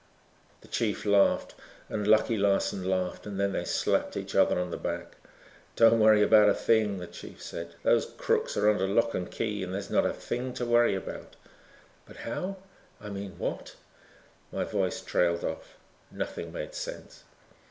The chief laughed and Lucky Larson laughed and then they slapped each other on the back. "Don't worry about a thing," the chief said, "those crooks are under lock and key and there's not a thing to worry about." "But how I mean what...?" My voice trailed off. Nothing made sense.